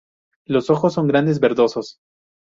Los ojos son grandes, verdosos.